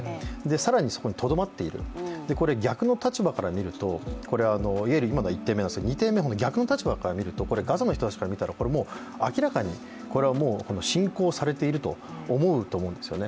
更にそこにとどまっている、これ逆の立場から見ると、今のが１点目で２点目、逆の立場から見るとガザの人から見たら、これもう明らかに侵攻されていると思うと思うんですね。